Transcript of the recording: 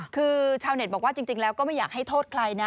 คือชาวเน็ตบอกว่าจริงแล้วก็ไม่อยากให้โทษใครนะ